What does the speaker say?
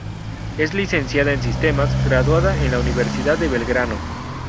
Es licenciada en Sistemas graduada en la Universidad de Belgrano.